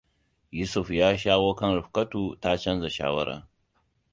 Yusuf ya shawo kan Rifkatu ta canza shawara.